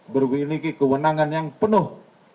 berwiliki kewenangan yang penuh